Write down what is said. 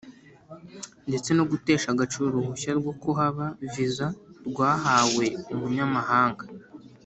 ndetse no gutesha agaciro uruhushya rwo kuhaba (Visa) rwahawe umunyamahanga